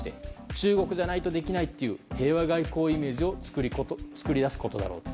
中国じゃないとできないという平和外交イメージを作り出すことだと。